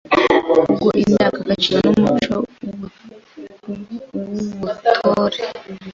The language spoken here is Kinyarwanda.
Kugo indangagaciro n’umuco w’ubutore bikorwa